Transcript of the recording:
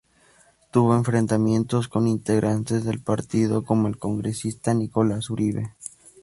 Tuvo enfrentamientos con integrantes del partido como el congresista Nicolás Uribe.